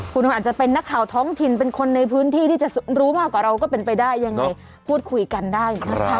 คุณอาจจะเป็นนักข่าวท้องถิ่นเป็นคนในพื้นที่ที่จะรู้มากกว่าเราก็เป็นไปได้ยังไงพูดคุยกันได้นะคะ